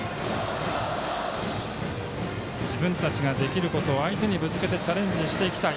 自分たちができることを相手にぶつけてチャレンジしていきたい。